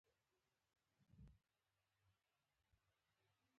پانګوال یوازې کارګران تر استثمار لاندې راولي.